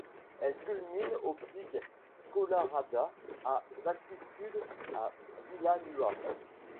Elle culmine au pic Collarada à d'altitude à Villanúa.